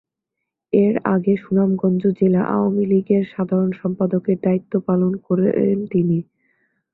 এর আগে সুনামগঞ্জ জেলা আওয়ামী লীগের সাধারণ সম্পাদকের দ্বায়িত্ব পালন করেন তিনি।